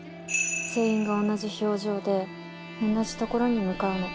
全員が同じ表情で、同じ所に向かうの。